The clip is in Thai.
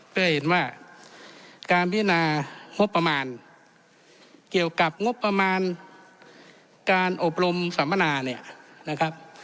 เพื่อให้เห็นว่าการพิจารณางบประมาณเกี่ยวกับงบประมาณการอบรมสัมมนาเนี่ยนะครับ